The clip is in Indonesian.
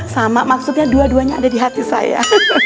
sama maksudnya dua duanya ada di hati saya